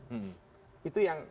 itu yang itu yang